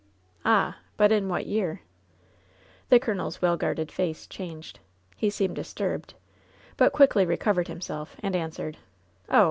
"Ah! but in what year?" The colonel's well guarded face changed. He seemed disturbed, but quickly recovered himself, and answered : "Oh